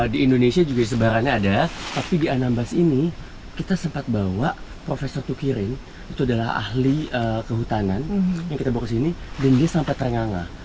di indonesia juga sebarannya ada tapi di anambas ini kita sempat bawa profesor tukirin itu adalah ahli kehutanan yang kita bawa ke sini dan dia sampai terengaga